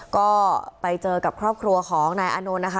ก็ไปเจอกับครอบครัวของนายอานนท์นะคะ